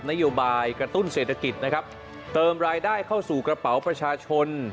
นโยบายกระตุ้นเศรษฐกิจนะครับเติมรายได้เข้าสู่กระเป๋าประชาชน